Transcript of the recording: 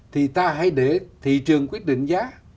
thì ta hãy để thị trường quyết định giá